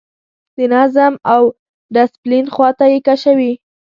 د نظم او ډسپلین خواته یې کشوي.